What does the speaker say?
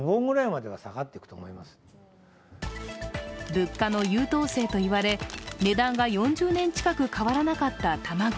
物価の優等生といわれ、値段が４０年近く変わらなかった卵。